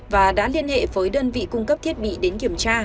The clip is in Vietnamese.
và đã liên hệ với đơn vị cung cấp thiết bị đến kiểm tra